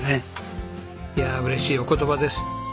いやあ嬉しいお言葉です。